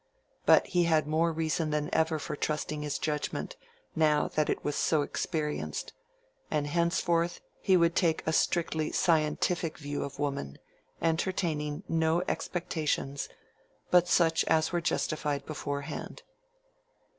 But he had more reason than ever for trusting his judgment, now that it was so experienced; and henceforth he would take a strictly scientific view of woman, entertaining no expectations but such as were justified beforehand.